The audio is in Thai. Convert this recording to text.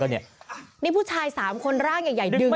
นี่ผู้ชาย๓คนร่างใหญ่ดึง